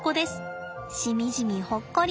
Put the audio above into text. しみじみほっこり